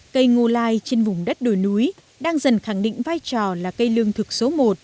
cây ngô lai trên vùng đất đồi núi đang dần khẳng định vai trò là cây lương thực số một